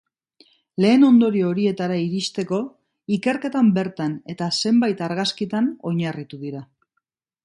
Lehen ondorio horietara iristeko, ikerketan bertan eta zenbait argazkitan oinarritu dira.